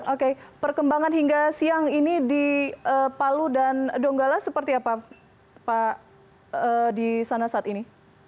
oke perkembangan hingga siang ini di palu dan donggala seperti apa pak di sana saat ini